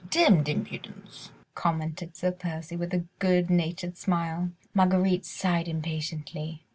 "Demmed impudence," commented Sir Percy with a good natured smile. Marguerite sighed impatiently.